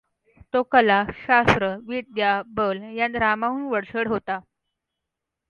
तो कला, शास्त्र, विद्या, बल यांत रामाहून वरचढ होता.